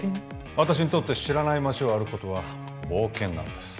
私にとって知らない街を歩くことは冒険なんです